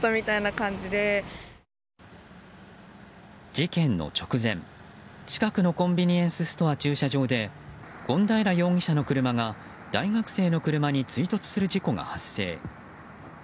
事件の直前、近くのコンビニエンスストア駐車場で権平容疑者の車が大学生の車に追突する事故が発生。